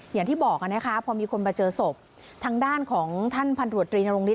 อย่างที่บอกนะคะพอมีคนมาเจอศพทางด้านของท่านพันตรวจตรีนรงฤท